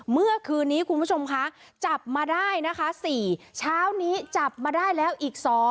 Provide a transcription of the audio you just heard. เมื่อคืนนี้คุณผู้ชมคะจับมาได้นะคะ๔เช้านี้จับมาได้แล้วอีก๒